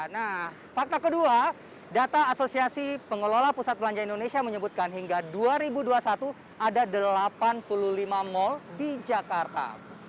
nah fakta kedua data asosiasi pengelola pusat belanja indonesia menyebutkan hingga dua ribu dua puluh satu ada delapan puluh lima mal di jakarta